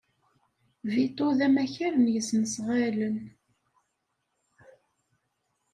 Vito d amakar n yesnasɣalen.